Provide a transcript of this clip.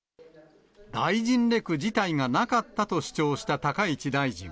大臣レク自体がなかったと主張した高市大臣。